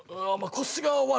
腰が悪い？